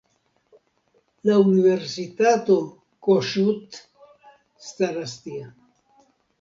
La Universitato Kossuth staras tie.